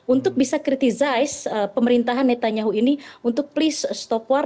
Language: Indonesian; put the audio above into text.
untuk bisa kritikasi pemerintahan netanyahu ini untuk please stop war